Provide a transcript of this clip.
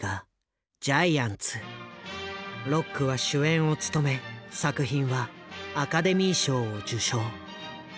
ロックは主演を務め作品はアカデミー賞を受賞。